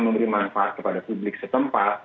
memberi manfaat kepada publik setempat